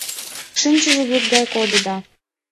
Шинчыше вӱд гай кодыда.